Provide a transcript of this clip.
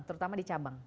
terutama di cabang